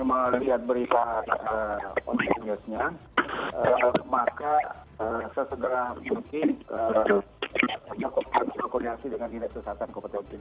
awalnya setelah kami melihat berita on line newsnya maka sesegera mungkin kita koneksi dengan dinas kesehatan kepala bidang